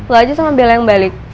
lo aja sama bela yang balik